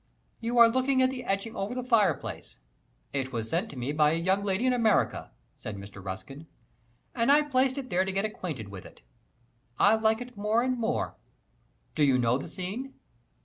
"You are looking at the etching over the fireplace it was sent to me by a young lady in America," said Mr. Ruskin, "and I placed it there to get acquainted with it. I like it more and more. Do you know the scene?"